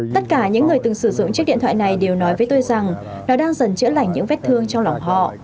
tất cả những người từng sử dụng chiếc điện thoại này đều nói với tôi rằng nó đang dần chữa lành những vết thương trong lòng họ